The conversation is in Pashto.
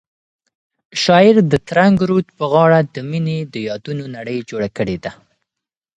شاعر د ترنګ رود په غاړه د مینې د یادونو نړۍ جوړه کړې ده.